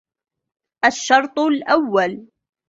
الشَّرْطُ الْأَوَّلُ